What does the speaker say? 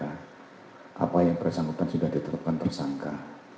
apa yang bersangkutan sudah ditetapkan tersangka